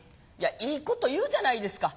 いいこと言うじゃないですか。